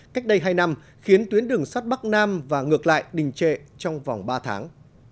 cách đây hai năm khiến tuyến đường sắt bắc nam và ngược lại đình trệ trong vòng ba tháng